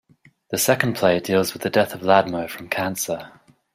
The second play deals with the death of Ladmo from cancer.